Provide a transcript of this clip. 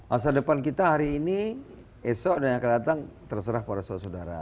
masa depan kita hari ini esok dan yang akan datang terserah pada saudara saudara